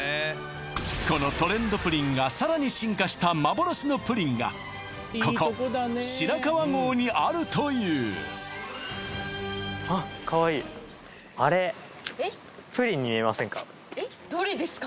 このトレンドプリンがさらに進化した幻のプリンがここ白川郷にあるというあれえっ？